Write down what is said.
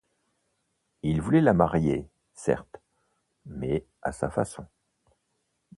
Il voulait la marier, certes, mais à sa façon.